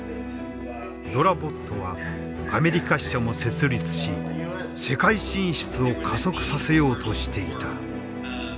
ｄｏｒａｂｏｔはアメリカ支社も設立し世界進出を加速させようとしていた。